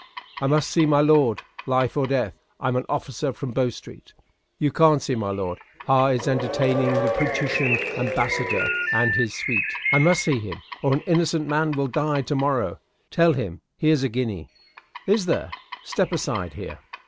"I must see my lord. Life or death. I'm an officer from Bow Street." "You can't see my lord. Ha is entertaining the Prootian Ambassador and his sweet." "I must see him, or an innocent man will die to morrow. Tell him so. Here's a guinea." "Is there? Step aside here."